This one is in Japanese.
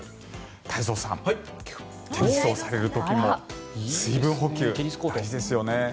太蔵さん、テニスをされる時も水分補給大事ですよね。